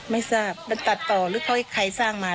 ไม่ทราบมันตัดต่อหรือเขาให้ใครสร้างมา